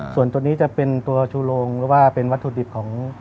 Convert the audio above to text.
ส่วนตัวนี้จะเป็นตัวชูโรงหรือว่าเป็นวัตถุดิบของ